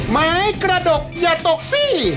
ไม้กระดกอย่าตกสิ